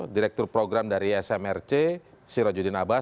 direktur program dari smrc sirojudin abbas